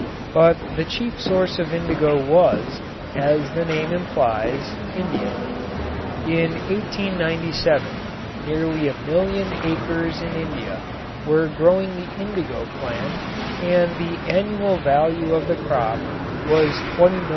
But the chief source of indigo was, as its name implies, India. In 1897 nearly a million acres in India were growing the indigo plant and the annual value of the crop was $20,000,000.